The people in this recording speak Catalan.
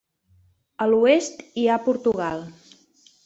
A l'oest hi ha Portugal.